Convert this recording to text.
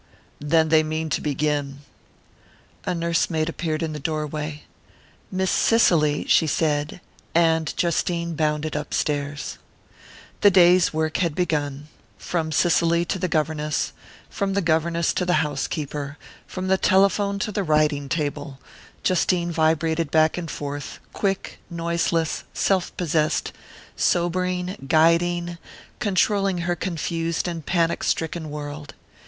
"Then they mean to begin." A nursemaid appeared in the doorway. "Miss Cicely " she said; and Justine bounded upstairs. The day's work had begun. From Cicely to the governess from the governess to the housekeeper from the telephone to the writing table Justine vibrated back and forth, quick, noiseless, self possessed sobering, guiding, controlling her confused and panic stricken world.